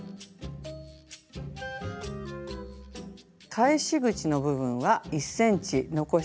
返し口の部分は１ｃｍ残したまんまにします。